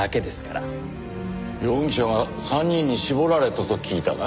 容疑者は３人に絞られたと聞いたが。